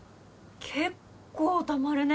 結構たまるね。